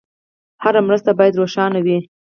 هره مرسته باید روښانه وي.